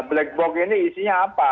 black box ini bisa diambil